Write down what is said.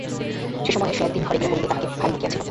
সে সময়ে সে একদিন ঘরে গিয়া পড়িলে তাহাকে ভারী বকিয়াছিল।